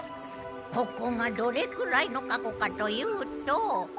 ここがどれくらいの過去かというと。